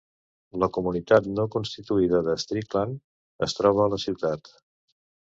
La comunitat no constituïda de Strickland es troba a la ciutat.